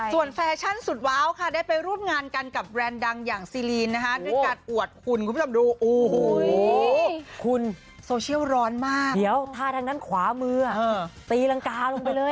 ส่วนแฟชั่นสุดว้าวค่ะได้ไปร่วมงานกันกับแบรนด์ดังอย่างซีลีนนะคะ